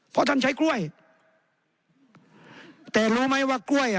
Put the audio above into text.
เพราะท่านใช้กล้วยแต่รู้ไหมว่ากล้วยอ่ะ